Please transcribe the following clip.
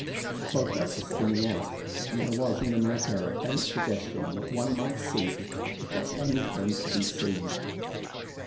The fog belt was thinning out, and there was in the night air a faint suggestion that one might see, if there were anything to be seen.